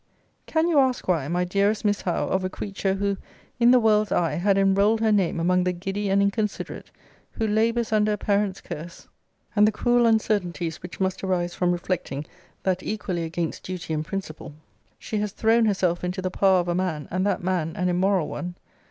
Can you ask why, my dearest Miss Howe, of a creature, who, in the world's eye, had enrolled her name among the giddy and inconsiderate; who labours under a parent's curse, and the cruel uncertainties, which must arise from reflecting, that, equally against duty and principle, she has thrown herself into the power of a man, and that man an immoral one?